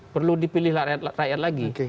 perlu dipilih rakyat lagi